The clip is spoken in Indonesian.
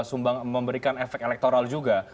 sumbang memberikan efek elektoral juga